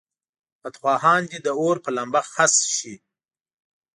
بدخواهان دې د اور په لمبه خس شي.